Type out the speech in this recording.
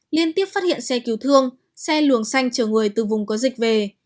liên tiếp phát hiện xe cứu thương xe luồng xanh chở người từ vùng có dịch về